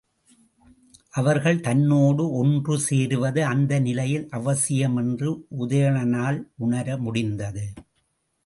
அவர்கள் தன்னோடு ஒன்று சேருவது அந்த நிலையில் அவசியம் என்று உதயணனால் உணர முடிந்தது.